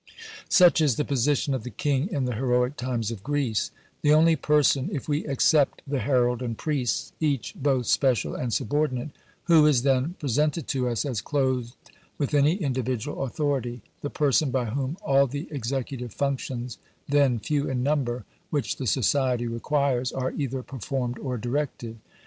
"Such is the position of the King in the heroic times of Greece the only person (if we except the herald, and priests, each both special and subordinate) who is then presented to us as clothed with any individual authority the person by whom all the executive functions, then few in number, which the society requires, are either performed or directed.